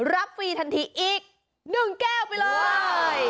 ฟรีทันทีอีก๑แก้วไปเลย